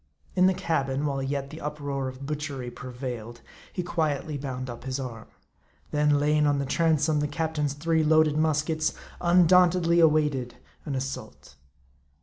In the cabin, while yet the uproar of butchery prevailed, he quietly bound up his arm ; then laying on the transom the captain's three loaded muskets, undauntedly awaited an assault.